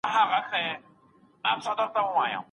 هر کار ته په مثبت نظر وګورئ.